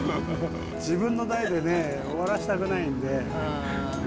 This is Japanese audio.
自分の代でね、終わらせたくないんで。